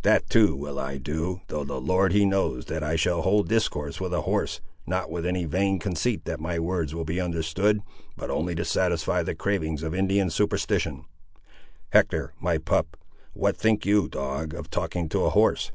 "That, too, will I do; though the Lord he knows that I shall hold discourse with a horse, not with any vain conceit that my words will be understood, but only to satisfy the cravings of Indian superstition. Hector, my pup, what think you, dog, of talking to a horse?"